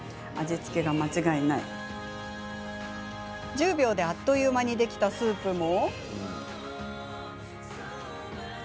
１０秒であっという間にできたスープも。